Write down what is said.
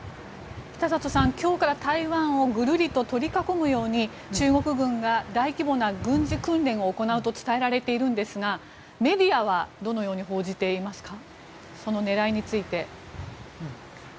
北里さん、今日から台湾をぐるりと取り囲むように中国軍が大規模な軍事訓練を行うと伝えられているんですがメディアはどのように報じていますかその狙いについて。